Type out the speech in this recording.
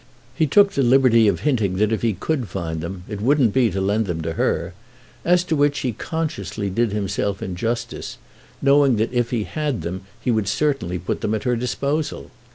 He took the liberty of hinting that if he could find them it wouldn't be to lend them to her—as to which he consciously did himself injustice, knowing that if he had them he would certainly put them at her disposal.